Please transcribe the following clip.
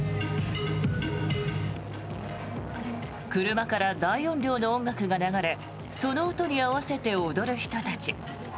車から大音量の音楽が流れその音に合わせて踊る人たち。